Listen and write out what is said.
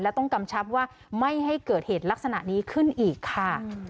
และต้องกำชับว่าไม่ให้เกิดเหตุลักษณะนี้ขึ้นอีกค่ะ